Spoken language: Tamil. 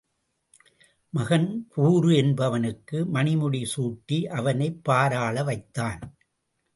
மகன் பூரு என்பவனுக்கு மணிமுடி சூட்டி அவனைப் பார் ஆள வைத்தான்.